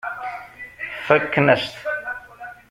Fakken-as-t.